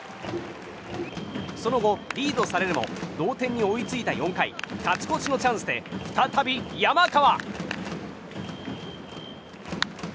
その後、リードされるも同点に追いついた４回勝ち越しのチャンスで再び山川。